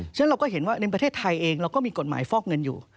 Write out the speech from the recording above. ฉะนั้นเราก็เห็นว่าในประเทศไทยเองเราก็มีกฎหมายฟอกเงินอยู่